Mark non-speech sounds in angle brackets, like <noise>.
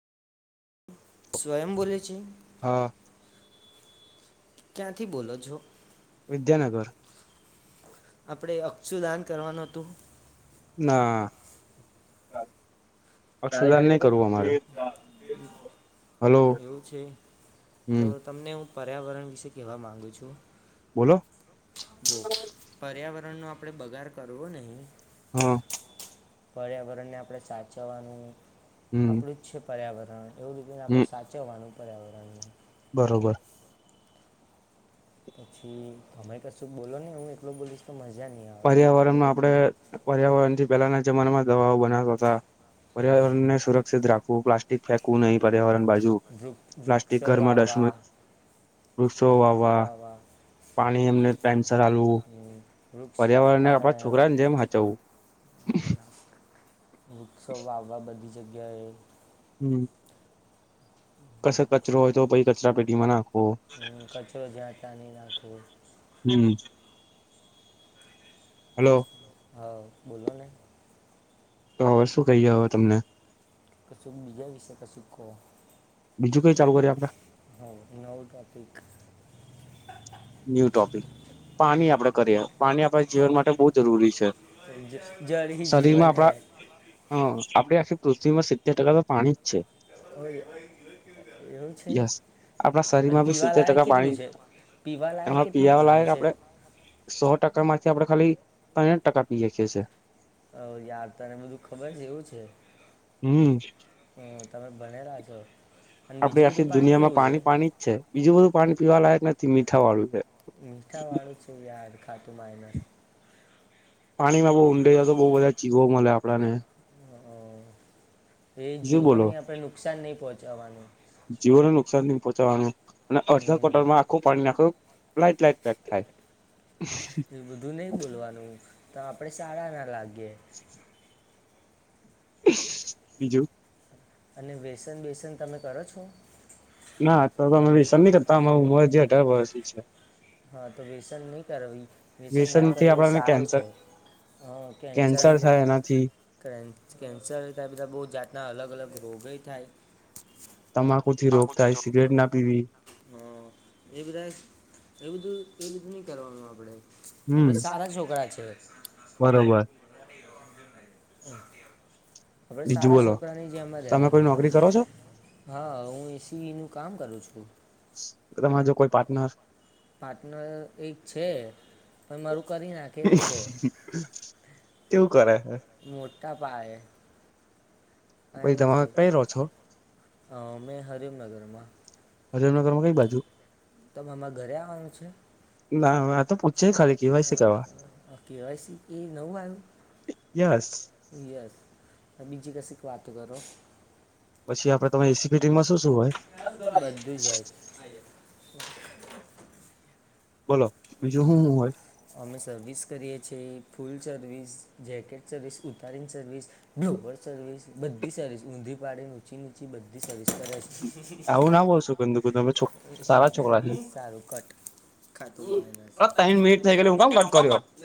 સ્વયં બોલે છે? હા ક્યાંથી બોલો છો? વિદ્યાનગર. આપડે અક્ષુ દાન કરવાનું હતું? ના, અક્ષુદાન નઈ કરવું અમારે. હલો એવું છે. તો હમ તમને હું પર્યાવરણ વિશે કહેવા માગું છું. બોલો. જો પર્યાવર ણ નો આપડે બગાર કરવો નહીં. હન્ન. પર્યાવરણને આપણે સાચવવાનું. હમ આપણું જ છે પર્યાવરણ. એવી રીતે આપણે હમ સાચવવાનું. પર્યાવરણ બરોબર. પછી, તમે કશું બોલો ને હું એકલો જ બોલીશ તો મજા નહીં આવે એમ પર્યાવરણમાં આપડે પર્યાવરણથી પેલાના જમાનામાં દવાઓ બનાવતા હતા. અમ, પર્યાવરણને સુરક્ષિત રાખ <inaudible> તે ફેકવું નહીં અમ, પર્યાવરણ બાજુ, વૃક્ષ પ્લાસ્ટિક વૃક્ષો ઘરમાં ડસ્ટમાં, વાવવા વૃક્ષો વાવવા, પાણી એમને ટાઈમસર આલવુ વૃ- વૃક્ષ પર્યાવરણને કાપવાને આપણા છોકરાન જેમ હાચવવું વૃક્ષો વાવવા બધી જ જગ્યાએ હમ્મ પસ કશે અને કચરો પછી હોય તો પહી કચરા પેટીમાં નાખવો. <inaudible> અમ, કચરો જ્યાં ત્યાં નહીં નાખવો હમ્મ હેલો. હા, બોલોને. તો હવે શું કહીએ હવે તમને? કશું બીજા વિશે કશું કો. બીજું કઈ ચાલુ કરીએ આપડે હમ્મ નવુ ટોપિક ન્યુ ટોપિક પાણી આપણેે કરીએ. પાણી આપણા જીવન હા માટે બહુ જરૂરી છે. જ- જળ હી શરીરમાં જીવન હે આપણા હ આપણે પૃથ્વીમાં સીતેર ટકા તો પાણી છે એવું છે. યસ આપણા અને શરીરમાં બી સિત્તેર પીવાલાયક ટકા કેટલું પાણી છે? પી એમાં પીયાવાલાએ આપણેે સો ટકા માં થી આપડે ખાલી ત્રણ ટકા પીએકીએ છીએ હો યાર તને બધું ખબર છે એવું છે. હમ્મ હો તમે ભણેલા છો. અને આપડે બીજું બધું આખી દુનિયામાં કેવું છે પાણી પાણી જ છે. બીજું બધું પાણી પીવા લાયક નથ થી મીઠા વાળુ છે. મીઠા વાળું છું યાર ફાતિમાનસ પાણીમાં બહુ ઊંડે જાઓ તો બહુ બધા જીવો મળે આપડાને એ શું જીવોને બોલો ની આપડ નુકાન નઈ પોહ જવાની જીવોને નુકસાન નહી પહોંચાવાનું અને અડધા હમ. કોટરમાં આખું પાણી નાખું લાઈટ લાઈટ થાય એ બધું નહીં બોલવાનું <unintelligible> તો આપડે સારા ના લાગ <unintelligible> બીજું અને વસન બેસન તમે કરો છો ના અમે વિસન ન કરતા અ હ મર છે હા તો વ્યસન નહીં કરવી વ્યસન ના થી કરવી એ આપણને સારું કેન્સર છે હ કેન્સર નહી થાય એનાથી કેન્સર ત બધા બહુ જાતના અલગ અલગ દબય થાય તમાકુ થી રોગ થાય હા સિગરેટ ના પીવી એ બધા એ બધું એ બધું નહી કરવાનું આપ <unintelligible> હમ આપડે સારા છોકરા છે બરોબર હા આપડ બીજું સારા બોલો છોકરા ની જેમ તમે કોઈ નોકરી કરો છો રહેેવાનું હા હું એસી નું કામ કરું છું <unintelligible> તમારે જો કોઈ પાર્ટનર પાર્ટનર એક છે પણ મારું કરી નાખેવો છે કેવું કરે મોટા પાયે પાઈ તમે કઈ રહો છો હમે હરમનગર માં હજવનગરમાં કઈ બાજુ તમામાં ઘરે આવવાનું છે ના આ તો પૂછે ખાલી કેવાયસી કરવા કેવાય એ નવું યસ આવ્યું યસ બીજી કસી વાત કરો પછી આપડેમે એસીપી માં શું શું હોય બધું જ હોય <unintelligible> બોલો બીજું હું હું હોય હ અમે સર્વિસ કરીએ છીએ ફૂલ સર્વિસ જૅકેટ સર્વિસ ઉતારીને સર્વિસ નવ વરષોવીસ બધી સર્િસ ઊંધી પાડે ઊચી નીચી બધી સર્િસ આવું ના બોલશો ગંદુ તમે સારા છોકરા છે સારું કટ ખાતું તમ મિટ થઈ ગલી હું કમ કટ કામ કરતો કર